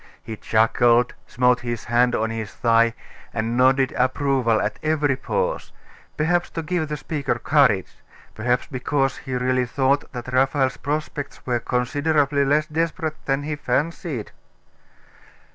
He chuckled, smote his hand on his thigh, and nodded approval at every pause perhaps to give the speaker courage perhaps because he really thought that Raphael's prospects were considerably less desperate than he fancied....